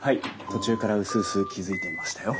途中からうすうす気付いていましたよ。